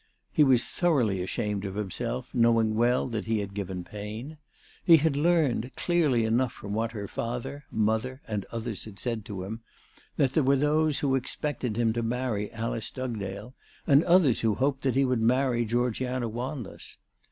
He was thoroughly ashamed of himself, knowing well that he had given pain. He had learned, clearly enough, from what her father, mother, and others had said to him, that there were those who expected him to marry Alice Dugdale, and others who hoped that he would marry Georgiana Wan less.